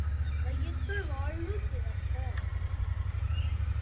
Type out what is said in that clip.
வையத்துள் வாழ்வு சிறக்க!